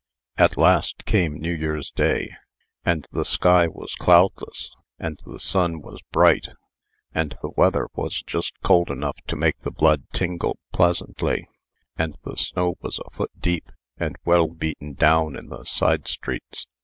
At last came New Year's day; and the sky was cloudless, and the sun was bright, and the weather was just cold enough to make the blood tingle pleasantly, and the snow was a foot deep, and well beaten down in the side streets.